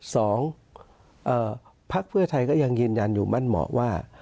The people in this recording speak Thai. พักเพื่อไทยก็ยังยืนยันอยู่มั่นเหมาะว่า